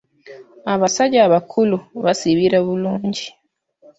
Abasajja abakulu bazibira bulungi.